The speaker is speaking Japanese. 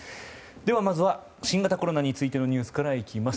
ではまずは新型コロナについてのニュースからです。